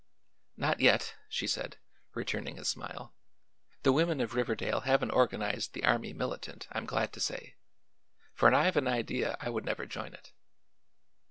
"Not yet," she said, returning his smile. "The women of Riverdale haven't organized the army militant, I'm glad to say; for I've an idea I would never join it."